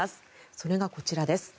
それがこちらです。